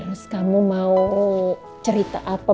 terus kamu mau cerita apa